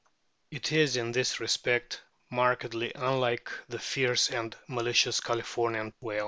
It is in this respect markedly unlike the fierce and malicious Californian whale.